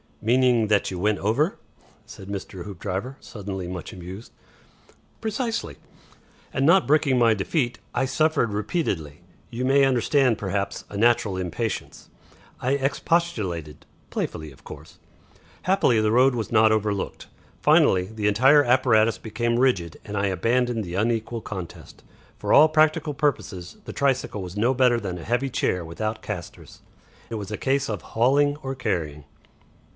"Meaning, that you went over?" said Mr. Hoopdriver, suddenly much amused. "Precisely. And not brooking my defeat, I suffered repeatedly. You may understand, perhaps, a natural impatience. I expostulated playfully, of course. Happily the road was not overlooked. Finally, the entire apparatus became rigid, and I abandoned the unequal contest. For all practical purposes the tricycle was no better than a heavy chair without castors. It was a case of hauling or carrying."